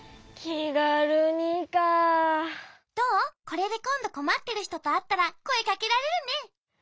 これでこんどこまってるひととあったらこえかけられるね。